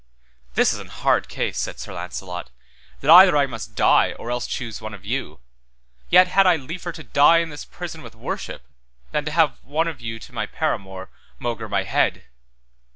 This is an hard case, said Sir Launcelot, that either I must die or else choose one of you, yet had I liefer to die in this prison with worship, than to have one of you to my paramour maugre my head.